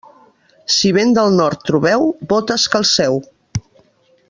Si vent de nord trobeu, botes calceu.